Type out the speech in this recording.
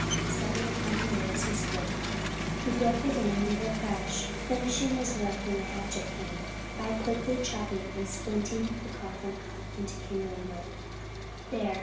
Stepping upon the lid as he spoke, he broke it in with a crash, finishing his work when the hatchet came, by quickly chopping and splitting the coffin up into kindling wood. "There!"